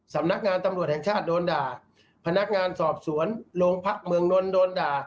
สำนักงานตำรวจแห่งชาติโดนด่าพนักงานสอบสวนโรงพักเมืองนนท์โดนด่า